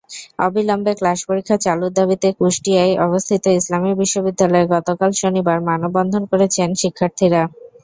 অবিলম্বে ক্লাস-পরীক্ষা চালুর দাবিতে কুষ্টিয়ায় অবস্থিত ইসলামী বিশ্ববিদ্যালয়ে গতকাল শনিবার মানববন্ধন করেছেন শিক্ষার্থীরা।